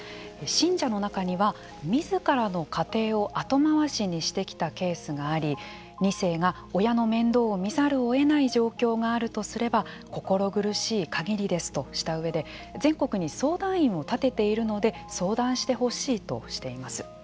信者の中にはみずからの家庭を後回しにしてきたケースがあり二世が親の面倒を見ざるを得ない状況があるとすれば心苦しいかぎりですとした上で全国に相談員を立てているので相談してほしいとしています。